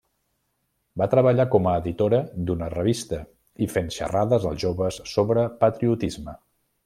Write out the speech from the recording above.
Va treballar com a editora d'una revista i fent xerrades als joves sobre patriotisme.